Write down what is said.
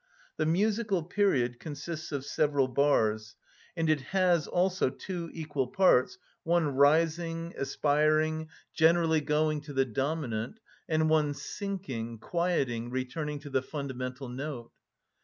The musical period consists of several bars, and it has also two equal parts, one rising, aspiring, generally going to the dominant, and one sinking, quieting, returning to the fundamental note.